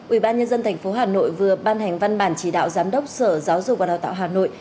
ubnd tp hà nội vừa ban hành văn bản chỉ đạo giám đốc sở giáo dục và đào tạo hà nội